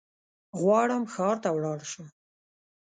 غواړم ښار ته ولاړشم